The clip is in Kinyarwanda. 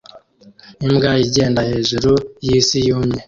Imbwa igenda hejuru yisi yumye